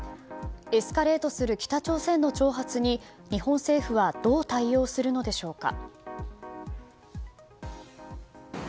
エスカレートする北朝鮮の挑発に、日本政府はどう対応するのでしょうか。